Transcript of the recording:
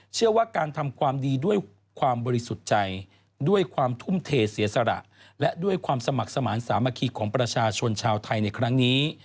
เชื่อว่าการทำความดีด้วยความบริสุทธิ์ใจด้วยความทุ่มเทเสียสละและด้วยความสมัครสมาธิสามัคคีของประชาชนชาวไทยในครั้งนี้